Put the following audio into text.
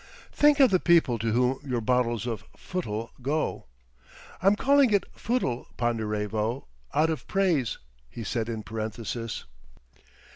"Think of the people to whom your bottles of footle go! (I'm calling it footle, Ponderevo, out of praise," he said in parenthesis.)